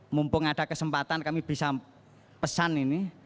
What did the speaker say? mumpung ada kesempatan kami bisa pesan ini